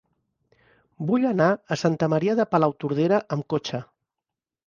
Vull anar a Santa Maria de Palautordera amb cotxe.